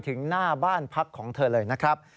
ถึงหน้าบ้านพักของเธอเลยนะครับ